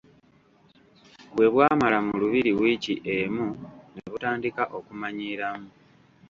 Bwe bwamala mu lubiri wiiki emu ne butandika okumanyiiramu.